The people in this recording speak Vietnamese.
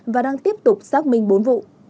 và đang tiếp tục xác minh bốn vụ